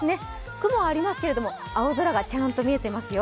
雲はありますけれども、青空がちゃんと見えていますよ。